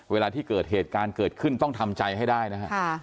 เวลาที่เกิดเหตุการณ์เกิดขึ้นต้องทำใจให้ได้นะฮะ